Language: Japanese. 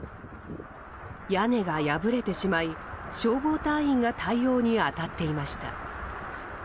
屋根が破れてしまい、消防隊員が対応に当たっていました。